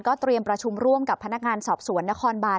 เตรียมประชุมร่วมกับพนักงานสอบสวนนครบาน